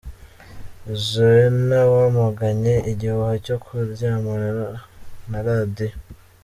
Zoena wamaganye igihuha cyo kuryamana na Radio.